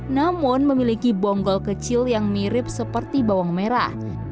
namun memiliki bonggol kecil yang mirip seperti bawang merah